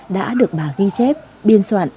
đã được bà ghi chép biên soạn